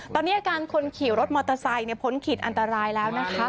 ตอนนี้อาการคนขี่รถมอเตอร์ไซค์พ้นขีดอันตรายแล้วนะคะ